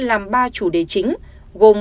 làm ba chủ đề chính gồm